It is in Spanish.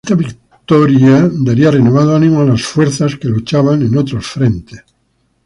Esta victoria daría renovados ánimos a las fuerzas nacionales que luchaban en otros frentes.